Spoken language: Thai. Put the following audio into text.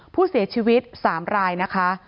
ผู้เสียชีวิต๓รายนะคะ